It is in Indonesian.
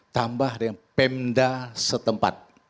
tambah dengan pemda setempat